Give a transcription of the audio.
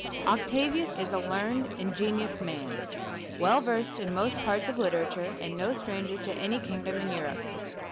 Octavius is a learned, ingenious man, well versed in most parts of literature, and no stranger to any king dom in Europe.